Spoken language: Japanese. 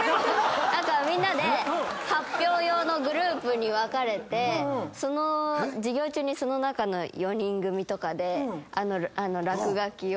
何かみんなで発表用のグループに分かれて授業中にその中の４人組とかで落書きを送ってる。